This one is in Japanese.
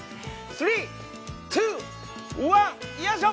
３・２・１よいしょ！